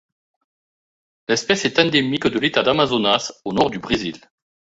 L'espèce est endémique de l'État d'Amazonas au nord du Brésil.